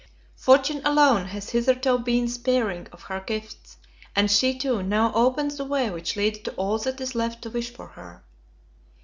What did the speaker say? Fortune alone has hitherto been sparing of her gifts; and she, too, now opens the way which leads to all that is left to wish for her.